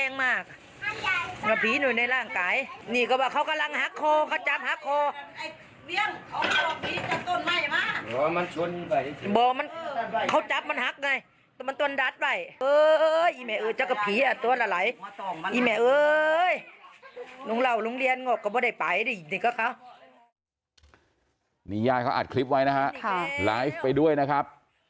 นี่ญาติเขาอัดคลิปไว้นะฮะไลฟ์ไปด้วยนะครับ